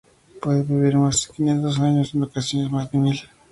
Puede vivir más de quinientos años y en ocasiones más de mil.